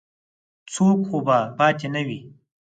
څوک خو به پاتې نه وي.